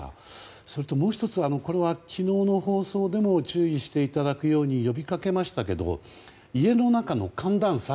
そして、もう１つ、これは昨日の放送でも注意いただくように呼びかけましたが家の中の寒暖差。